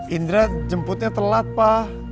indra jemputnya telat pa